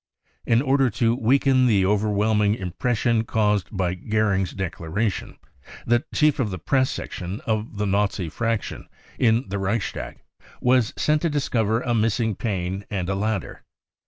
In order to weaken the overwhelming impression caused by Goering's declaration, the chief of the press section of the Nazi fraction in the Reichstag was sent to discover a missing pane and a ladder.